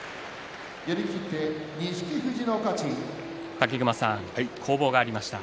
武隈さん、攻防がありました。